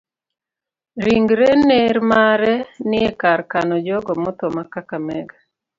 Ringre ner mare ni e kar kano jogo motho ma kakamega.